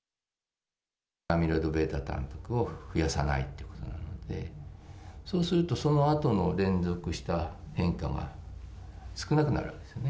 アミロイドβたんぱくを増やさないってことなので、そうすると、そのあとの連続した変化が少なくなるんですよね。